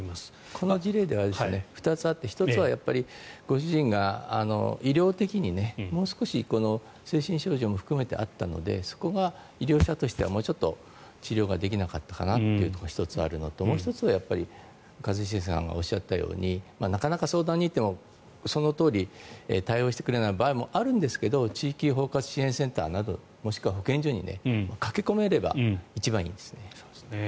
この事例では２つあって１つはご主人が医療的にもう少し精神症状も含めてあったのでそこが医療者としてはもうちょっと治療ができなかったのかなというのが１つあるのともう１つは一茂さんがおっしゃったようになかなか相談に行ってもそのとおりに対応してくれない場合もあるんですが地域包括支援センターなどもしくは保健所に駆け込めれば一番いいですね。